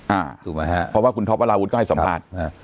อ่าถูกไหมฮะเพราะว่าคุณท็อปอลาวุธก็ให้สัมภาษณ์ครับอ่า